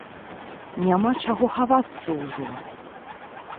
Няма чаго хавацца ўжо!